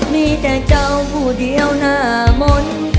มีแต่เจ้าผู้เดียวหน้ามนต์